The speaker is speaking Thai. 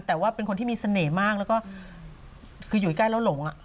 แต่ว่าเป็นคนที่มีเสน่ห์มากแล้วก็คืออยู่ใกล้แล้วหลง